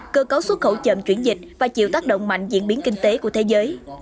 cơ cấu xuất khẩu chậm chuyển dịch và chịu tác động mạnh diễn biến kinh tế của thế giới